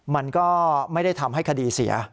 มันก็ไม่ได้ทำให้คดีเสีย